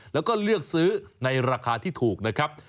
แล้วก็เลือกซื้อในราคาที่ถูกนะครับ